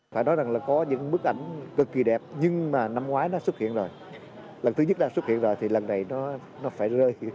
phải nói rằng là có những bức ảnh cực kỳ đẹp nhưng mà năm ngoái nó xuất hiện rồi lần thứ nhất là xuất hiện rồi thì lần này nó phải rơi